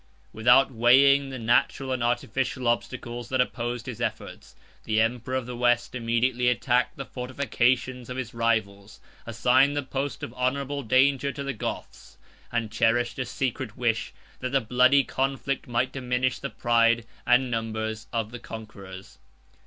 Without weighing the natural and artificial obstacles that opposed his efforts, the emperor of the East immediately attacked the fortifications of his rivals, assigned the post of honorable danger to the Goths, and cherished a secret wish, that the bloody conflict might diminish the pride and numbers of the conquerors.